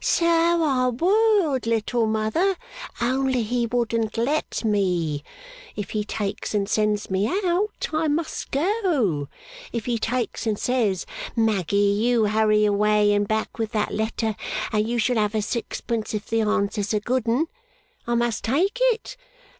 'So I would, Little Mother, only he wouldn't let me. If he takes and sends me out I must go. If he takes and says, "Maggy, you hurry away and back with that letter, and you shall have a sixpence if the answer's a good 'un," I must take it.